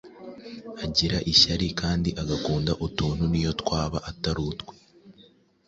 agira ishyari kandi agakunda utuntu n'iyo twaba atari utwe.